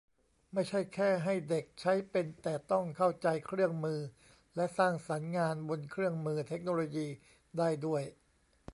ไม่ใช่แค่ให้เด็กใช้เป็น แต่ต้องเข้าใจเครื่องมือ และสร้างสรรค์งานบนเครื่องมือเทคโนโลยีได้ด้วย